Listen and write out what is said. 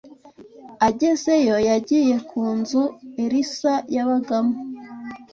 Agezeyo yagiye ku nzu Elisa yabagamo